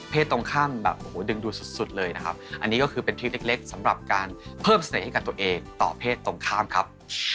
ตรงข้ามแบบโอ้โหดึงดูสุดเลยนะครับอันนี้ก็คือเป็นทริปเล็กสำหรับการเพิ่มเสน่ห์ให้กับตัวเองต่อเพศตรงข้ามครับ